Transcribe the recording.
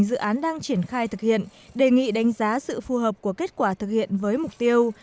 dự án đang triển khai thực hiện đề nghị đánh giá sự phù hợp của kết quả thực hiện với mục tiêu